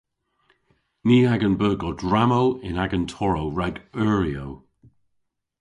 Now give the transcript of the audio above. Ni a'gan beu godrammow yn agan torrow rag euryow.